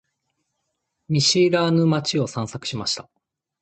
見知らぬ街を散策しました。